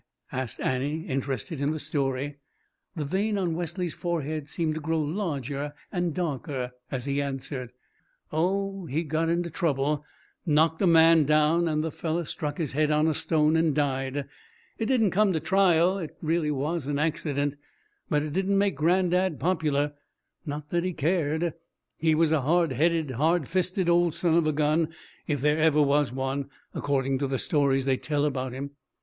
asked Annie, interested in the story. The vein on Wesley's forehead seemed to grow larger and darker as he answered: "Oh, he got into trouble knocked a man down, and the fellow struck his head on a stone and died. It didn't come to trial it really was an accident but it didn't make granddad popular. Not that he cared. He was a hard headed, hard fisted old son of a gun, if there ever was one, according to the stories they tell about him."